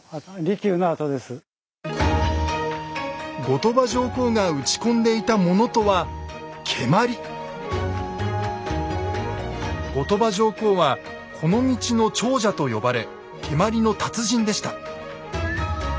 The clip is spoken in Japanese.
後鳥羽上皇が打ち込んでいたものとは後鳥羽上皇は「この道の長者」と呼ばれ蹴鞠の達人でした。